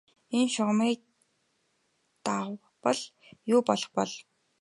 Энэ шугамыг давбал юу болох бол?